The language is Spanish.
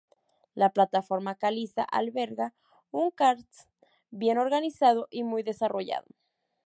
La plataforma caliza alberga un karst bien organizado y muy desarrollado.